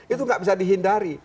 itu gak bisa dihindari